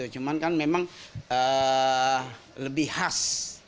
cuman kan memang lebih khas